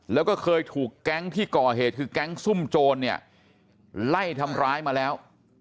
แล้วก็เคยถูกแก๊งที่ก่อเหตุคือแก๊งซุ่มโจรเนี่ยไล่ทำร้ายมาแล้ว